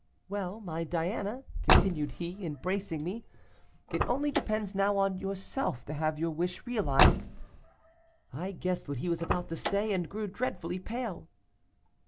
"'Well, my Diana,' continued he, embracing me, 'it only depends now on yourself to have your wish realized.' I guessed what he was about to say, and grew dreadfully pale.